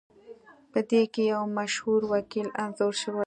پدې کې یو مشهور وکیل انځور شوی و